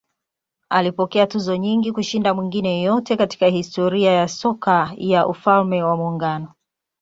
Alipokea tuzo nyingi kushinda mwingine yeyote katika historia ya soka ya Ufalme wa Muungano.